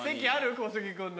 小杉君の。